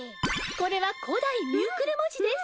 これは古代ミュークル文字です。